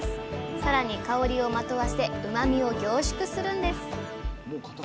更に香りをまとわせうまみを凝縮するんです！